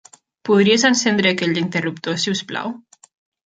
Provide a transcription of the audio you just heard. Podries encendre aquell interruptor, si us plau?